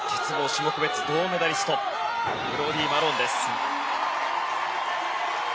種目別銅メダリストブローディー・マローンです。